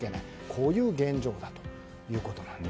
こういう現状だということです。